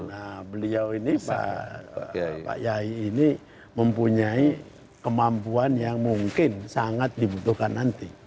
nah beliau ini pak yai ini mempunyai kemampuan yang mungkin sangat dibutuhkan nanti